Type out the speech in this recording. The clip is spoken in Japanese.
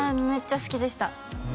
めっちゃ好きでした